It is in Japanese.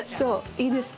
いいですか？